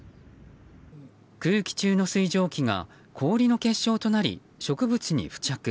空気中の水蒸気が氷の結晶となり植物に付着。